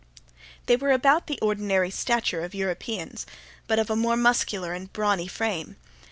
They were about the ordinary stature of Europeans, but of a more muscular and brawny frame.